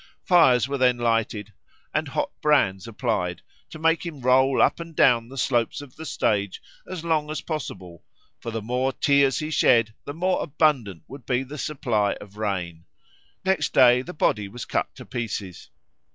Fires were then lighted and hot brands applied, to make him roll up and down the slopes of the stage as long as possible; for the more tears he shed the more abundant would be the supply of rain. Next day the body was cut to pieces.